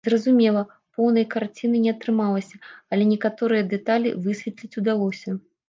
Зразумела, поўнай карціны не атрымалася, але некаторыя дэталі высветліць удалося.